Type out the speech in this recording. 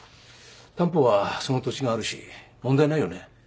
担保はその土地があるし問題ないよね？